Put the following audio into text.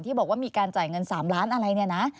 ที่บอกว่ามีการจ่ายเงิน๓ล้านอะไรนะ